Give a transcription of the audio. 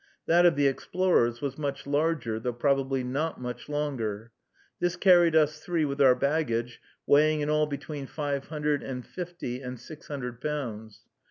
That of the explorers was much larger, though probably not much longer. This carried us three with our baggage, weighing in all between five hundred and fifty and six hundred pounds.